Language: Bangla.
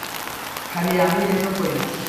খালি আমিই এইসব করিনা!